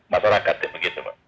masyarakat ya begitu mbak